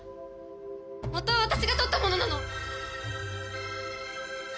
元は私が撮ったものなの！